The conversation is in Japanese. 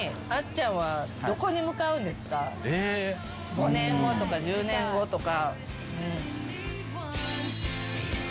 ５年後とか１０年後とか。